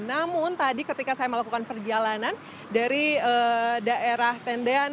namun tadi ketika saya melakukan perjalanan dari daerah tendean